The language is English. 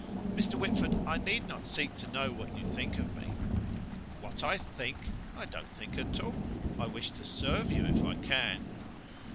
"Mr. Whitford, I need not seek to know what you think of me." "What I think? I don't think at all; I wish to serve you if I can."